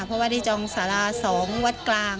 เพราะว่าได้จองสารา๒วัดกลาง